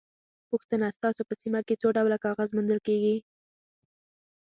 پوښتنه: ستاسو په سیمه کې څو ډوله کاغذ موندل کېږي؟